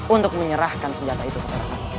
untuk menyerahkan senjata itu kepada kami